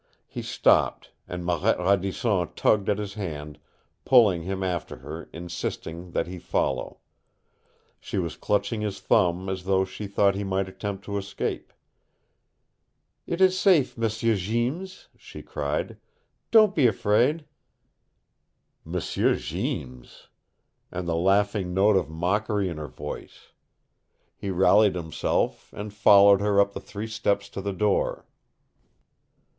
He stopped, and Marette Radisson tugged at his hand, pulling him after her, insisting that he follow. She was clutching his thumb as though she thought he might attempt to escape. "It is safe, M'sieu Jeems," she cried. "Don't be afraid!" M'sieu Jeems! And the laughing note of mockery in her voice! He rallied himself and followed her up the three steps to the door.